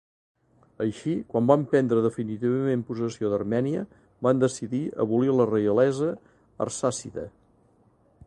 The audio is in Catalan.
Així, quan van prendre definitivament possessió d'Armènia, van decidir abolir la reialesa arsàcida.